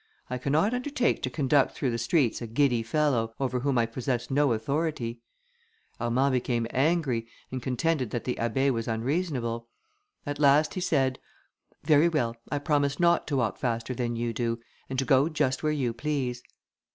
I cannot undertake to conduct through the streets a giddy fellow, over whom I possess no authority." Armand became angry, and contended that the Abbé was unreasonable. At last he said, "Very well, I promise not to walk faster than you do, and to go just where you please."